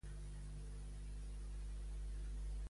Amb qui va treure el disc Convergència i Unió?